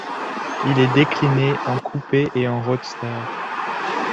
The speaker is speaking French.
Il est décliné en coupé et en roadster.